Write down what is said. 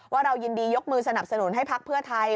เรายินดียกมือสนับสนุนให้พักเพื่อไทย